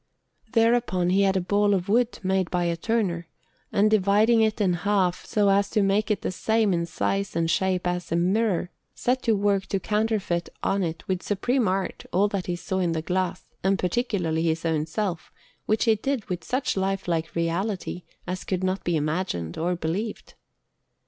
Thereupon he had a ball of wood made by a turner, and, dividing it in half so as to make it the same in size and shape as the mirror, set to work to counterfeit on it with supreme art all that he saw in the glass, and particularly his own self, which he did with such lifelike reality as could not be imagined or believed.